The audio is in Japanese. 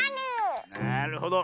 なるほど。